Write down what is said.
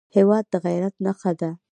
هېواد د غیرت نښه ده.